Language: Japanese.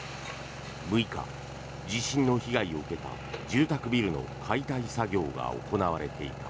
６日、地震の被害を受けた住宅ビルの解体作業が行われていた。